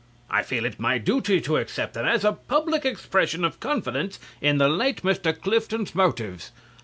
I feel it my duty to accept them, as a public expression of confidence in the late Mr. Clifton's motives.